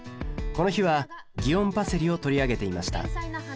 この日は園パセリを取り上げていました